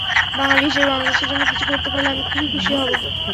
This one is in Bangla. বাঙালি হিসেবে বাংলাদেশের জন্য কিছু করতে পারলে আমি খুবই খুশি হব।